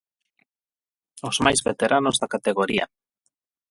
Os máis veteranos da categoría.